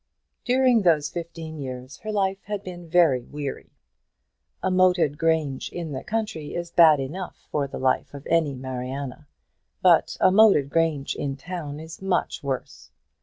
During those fifteen years her life had been very weary. A moated grange in the country is bad enough for the life of any Mariana, but a moated grange in town is much worse.